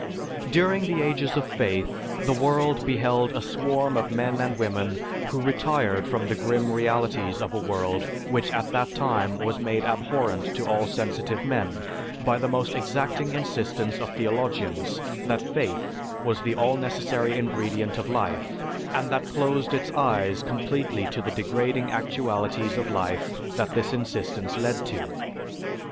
During the ages of faith, the world beheld a swarm of men and women who retired from the grim realities of a world which at that time was made abhorrent to all sensitive men by the most exacting insistence of theologians that "faith" was the all necessary ingredient of life, and that closed its eyes completely to the degrading actualities of life that this insistence led to.